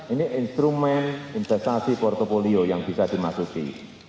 ini instrumen investasi portofolio yang bisa dimasuki